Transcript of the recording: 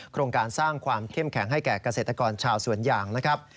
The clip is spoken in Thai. โครงการสร้างความเข้มแข็งให้แก่กาเศรษฐกรชาวส่วนอย่าง